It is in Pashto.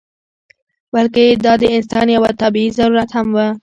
بلکې دا د انسان یو طبعي ضرورت هم و.